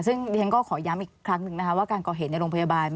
ซึ่งดิฉันก็ขอย้ำอีกครั้งหนึ่งนะคะว่าการก่อเหตุในโรงพยาบาล